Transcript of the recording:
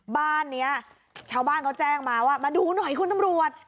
บ้านนี้ชาวบ้านเขาแจ้งมาว่ามาดูหน่อยคุณตำรวจ